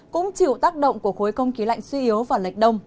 cũng chịu tác động của khối không khí lạnh suy yếu và lệch đông